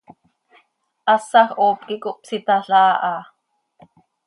Hasaj hoop quih cohpsitalhaa aha.